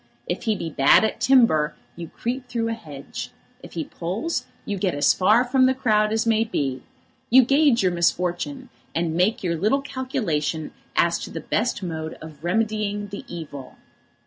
If he be bad at timber, you creep through a hedge. If he pulls, you get as far from the crowd as may be. You gauge your misfortune, and make your little calculation as to the best mode of remedying the evil.